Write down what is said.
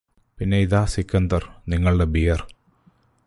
പിന്നെ ഇതാ സിക്കന്ദർ നിങ്ങളുടെ ബിയർ